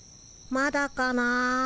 まだかなぁ。